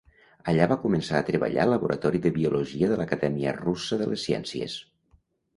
Allà va començar a treballar al Laboratori de Biologia de l'Acadèmia Russa de les Ciències.